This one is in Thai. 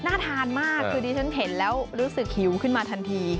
น่าทานมากคือดิฉันเห็นแล้วรู้สึกหิวขึ้นมาทันที